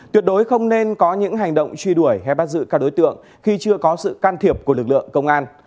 tuyệt đối không nên có những hành động truy đuổi hay bắt giữ các đối tượng khi chưa có sự can thiệp của lực lượng công an